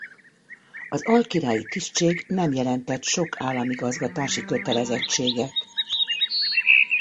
Az alkirályi tisztség nem jelentett sok államigazgatási kötelezettséget.